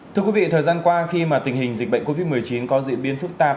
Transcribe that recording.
thưa quý vị thời gian qua khi mà tình hình dịch bệnh covid một mươi chín có diễn biến phức tạp